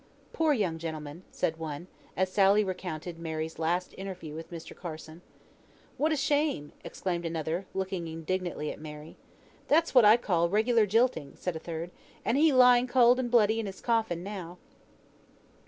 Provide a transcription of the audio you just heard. "Poor young gentleman," said one, as Sally recounted Mary's last interview with Mr. Carson. "What a shame!" exclaimed another, looking indignantly at Mary. "That's what I call regular jilting," said a third. "And he lying cold and bloody in his coffin now!"